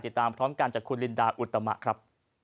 ติดตามพร้อมกันจากคุณลินดาอุตมะครับ